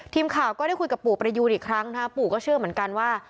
ทีมข่าวก็ได้คุยกับปู่ประยูนอีกครั้งปู่ก็เชื่อเหมือนกันว่า